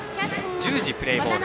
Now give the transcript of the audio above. １０時プレーボール。